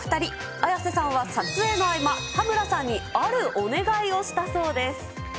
綾瀬さんは撮影の合間、羽村さんにあるお願いをしたそうです。